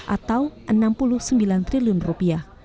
atau enam puluh sembilan triliun rupiah